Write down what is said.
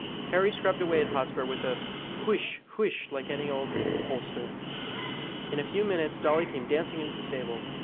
Harry scrubbed away at Hotspur with a huish! huish! like any old hostler. In a few minutes Dolly came dancing into the stable.